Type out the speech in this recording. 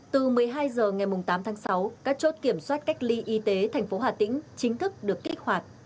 từ một mươi hai h ngày tám tháng sáu các chốt kiểm soát cách ly y tế thành phố hà tĩnh chính thức được kích hoạt